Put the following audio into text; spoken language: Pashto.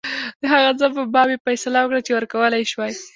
د هغه څه په باب یې فیصله وکړه چې ورکولای یې شوای.